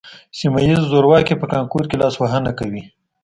سیمه ییز زورواکي په کانکور کې لاسوهنه کوي